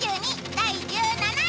第１７位。